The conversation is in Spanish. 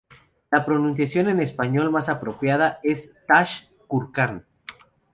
La pronunciación en español más aproximada es tash-curkán.